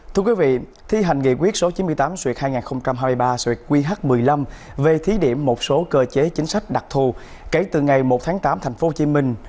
thưa quý vị thi hành nghị quyết số chín mươi tám suyệt hai nghìn hai mươi ba suyệt qh một mươi năm về thí điểm một số cơ chế chính sách đặc thù kể từ ngày một tháng tám thành phố hồ chí minh